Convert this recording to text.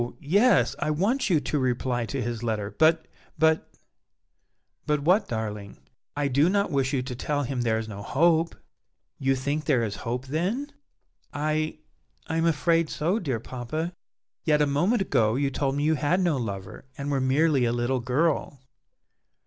yes, I want you to reply to his letter, but but " "But what, darling?" "I do not wish you to tell him there is no hope!" "You think there is hope, then?" "I I am afraid so, dear papa!" "Yet a moment ago you told me you had no lover, and were merely a little girl!"